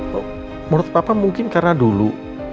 menurut papa mungkin karena dulu